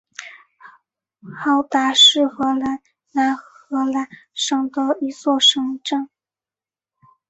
豪达是荷兰南荷兰省的一座市镇。